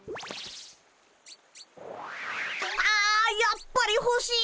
あやっぱりほしい！